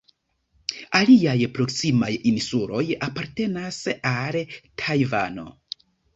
Aliaj proksimaj insuloj apartenas al Tajvano.